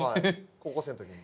高校生の時に。